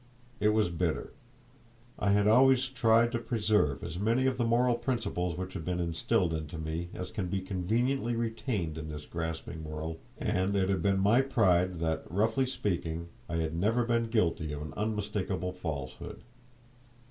It was bitter. I had always tried to preserve as many of the moral principles which had been instilled into me as can be conveniently retained in this grasping world, and it had been my pride that, roughly speaking, I had never been guilty of an unmistakable falsehood.